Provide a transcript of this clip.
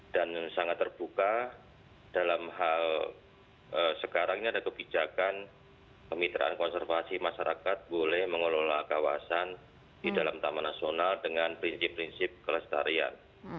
sangat terbuka dalam hal sekarang ini ada kebijakan kemitraan konservasi masyarakat boleh mengelola kawasan di dalam taman nasional dengan prinsip prinsip kelestarian